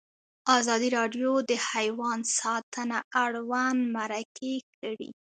ازادي راډیو د حیوان ساتنه اړوند مرکې کړي.